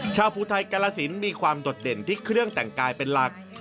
ภูไทยกาลสินมีความโดดเด่นที่เครื่องแต่งกายเป็นหลัก